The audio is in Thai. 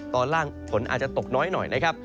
ตอนล่างฝนอาจจะตกน้อยหน่อยนะครับ